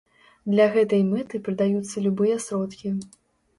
Для гэтай мэты прыдаюцца любыя сродкі.